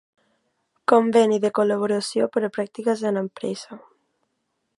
Conveni de col·laboració per a pràctiques en empresa.